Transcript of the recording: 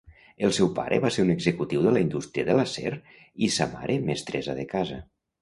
El seu pare va ser un executiu de la indústria de l'acer i sa mare mestressa de casa.